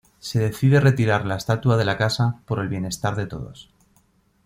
Se decide retirar la estatua de la casa, por el bienestar de todos.